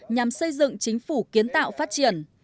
nhằm xây dựng chính phủ kiến tạo phát triển